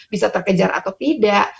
bisa terkejar atau tidak